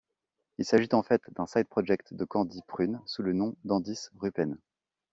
Il s'agit en fait d'un side-project de Candie Prune, sous le nom d'Andice Rupen.